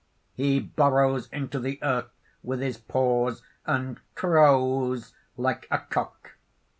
(_He burrows into the earth with his paws, and crows like a cock.